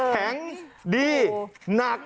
แข็งดีหนัก